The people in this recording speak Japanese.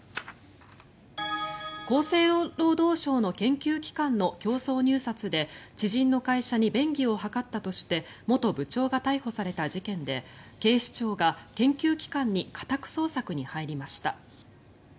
厚生労働省の研究機関の競争入札で知人の会社に便宜を図ったとして元部長が逮捕された事件で警視庁が研究機関に家宅捜索に入りました。